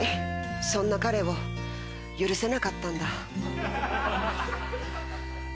そんな彼を許せなかったんだ。